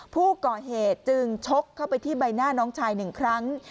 ผู้ก่อเหตุจึงชกเข้าไปที่ใบหน้าน้องชาย๑ครั้ง